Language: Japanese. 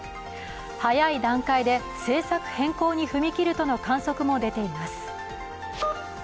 早い段階で政策変更に踏み切るとの観測も出ています。